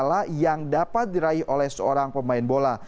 salah yang dapat diraih oleh seorang pemain bola